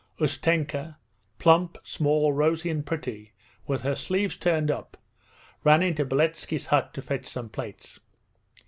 Ustenka, plump, small, rosy, and pretty, with her sleeves turned up, ran into Beletski's hut to fetch some plates.